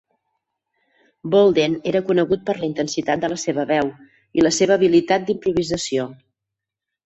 Bolden era conegut per la intensitat de la seva veu i la seva habilitat d'improvisació.